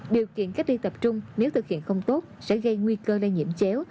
điều kiện cách ly tập trung nếu thực hiện không tốt sẽ gây nguy cơ lây nhiễm chéo